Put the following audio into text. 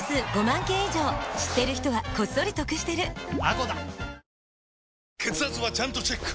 ＮＯ．１血圧はちゃんとチェック！